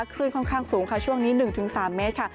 คลื่นค่อนข้างสูงค่ะช่วงนี้๑๓เมตรค่ะ